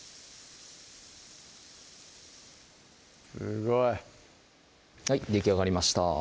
すごいはいできあがりました